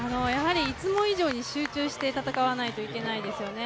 いつも以上に集中して戦わないといけないですよね。